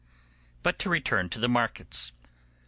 But to return to the markets.